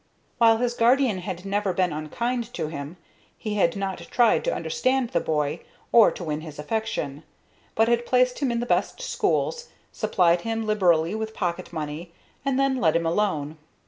While his guardian had never been unkind to him, he had not tried to understand the boy or to win his affection, but had placed him at the best schools, supplied him liberally with pocket money, and then let him alone.